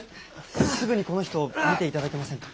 すぐにこの人を診ていただけませんか？